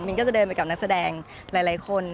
ก็จะเดินไปกับนักแสดงหลายคน